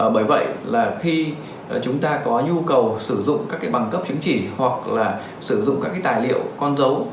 bởi vậy là khi chúng ta có nhu cầu sử dụng các bằng cấp chứng trì hoặc là sử dụng các tài liệu con dấu